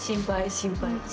心配。